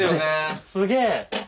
すげえ！